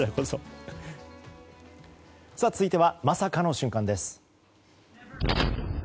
続いてはまさかの瞬間です。